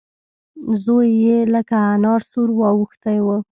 زوی يې لکه انار سور واوښتی و.